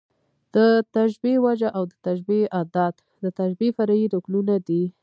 د تشبېه وجه او د تشبېه ادات، د تشبېه فرعي رکنونه دي.